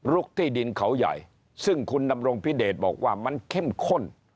ที่ดินเขาใหญ่ซึ่งคุณดำรงพิเดชบอกว่ามันเข้มข้น